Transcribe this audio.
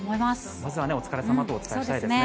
まずはお疲れさまと伝えたいですね。